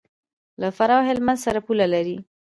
له فراه او هلمند سره پوله لري.